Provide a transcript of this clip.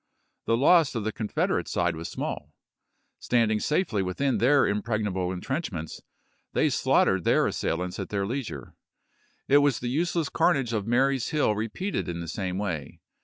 The loss on the Confederate side was small; standing safely within their im pregnable intrenchments, they slaughtered their assailants at their leisure.^ It was the useless carnage of Marye's HiU repeated in the same way.